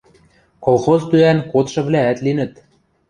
Колхоз тӱӓн кодшывлӓӓт линӹт.